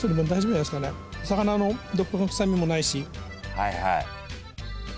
はいはい。